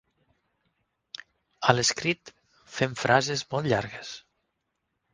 A l'escrit fem frases molt llargues.